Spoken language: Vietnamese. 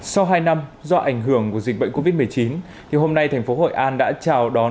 sau hai năm do ảnh hưởng của dịch bệnh covid một mươi chín thì hôm nay thành phố hội an